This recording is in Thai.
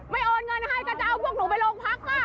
ไม่โอนเงินให้กันจะเอาพวกไปโรงพักว่า